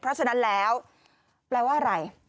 เพราะฉะนั้นแล้วแปลว่าอะไร